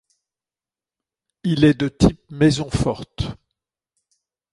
Il est de type maison forte.